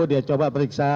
dia coba periksa